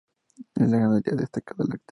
En la ganadería destaca la actividad caprina.